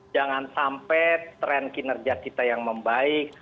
jangan sampai tren kinerja kita yang membaik